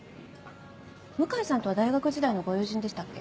向井さんとは大学時代のご友人でしたっけ？